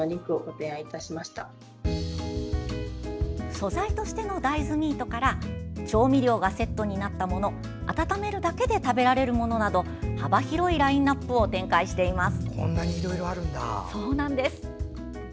素材としての大豆ミートから調味料がセットになったもの温めるだけで食べられるものなど幅広いラインアップを展開しています。